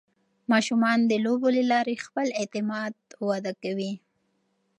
ماشومان د لوبو له لارې خپل اعتماد وده کوي.